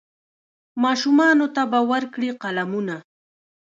ماشومانو ته به ورکړي قلمونه